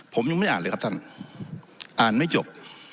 ผมยังไม่อ่านเลยครับท่านอ่านไม่จบ